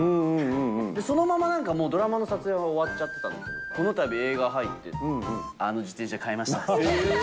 そのままドラマの撮影は終わっちゃったんだけど、このたび映画入って、あの自転車買いましたって。